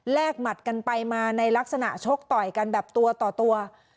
หมัดกันไปมาในลักษณะชกต่อยกันแบบตัวต่อตัว